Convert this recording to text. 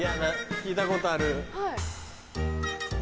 聞いたことある。